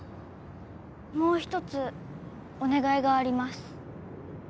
もう一つお願いがあります